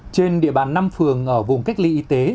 trên địa bàn năm phường ở vùng cách ly y tế